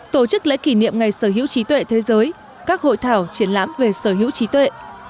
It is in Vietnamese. tổ chức lễ kỷ niệm ngày sở hữu trí tuệ thế giới các hội thảo triển lãm về sở hữu trí tuệ